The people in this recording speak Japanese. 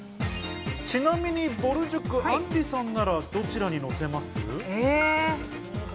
ちなみに、ぼる塾・あんりさんならどこにのせます？